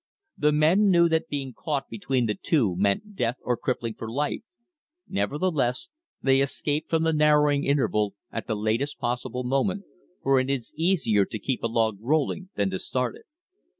The men knew that being caught between the two meant death or crippling for life. Nevertheless they escaped from the narrowing interval at the latest possible moment, for it is easier to keep a log rolling than to start it.